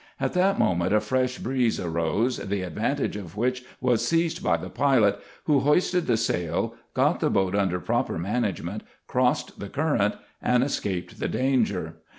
At that moment a fresh breeze arose, the advantage of which was seized by the pilot, who hoisted the sail, got the boat under proper management, crossed the current, and escaped the danger.